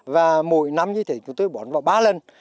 và mỗi năm như thế chúng tôi bón vào ba lần